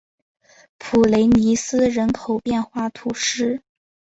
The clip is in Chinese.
普雷尼斯人口变化图示